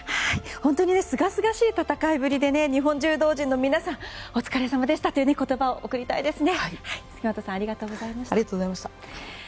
本当にすがすがしい戦いぶりで日本柔道陣の皆さんお疲れさまでしたという言葉を送りたいですね。